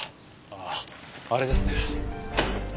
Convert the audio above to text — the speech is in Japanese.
あああれですね。